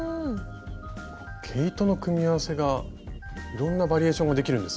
毛糸の組み合わせがいろんなバリエーションができるんですね。